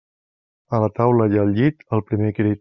A la taula i al llit, al primer crit.